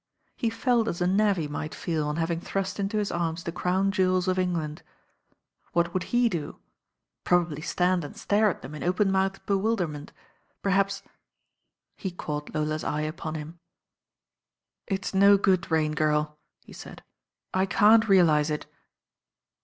He felt as a navvy might feel on having thrust into his arms the crown jewels of England. What would he do? Probably stand and •tare at them in open mouthed bewilderment. Per haps He caught Lola's eye upon him. "It's no good, Rain Girl," he said, "I can't realise it."